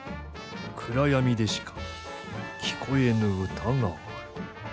暗闇でしか聴こえぬ歌がある。